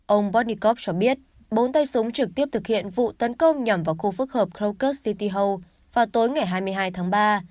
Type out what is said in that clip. ông bornnikov cho biết bốn tay súng trực tiếp thực hiện vụ tấn công nhằm vào khu phức hợp krokus city hall vào tối ngày hai mươi hai tháng ba